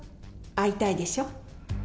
会いたいでしょう？